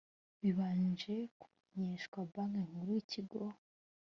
bibanje kumenyeshwa banki nkuru ikigo